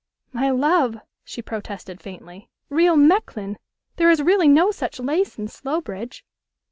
"My love," she protested faintly, "real Mechlin! There is really no such lace in Slowbridge."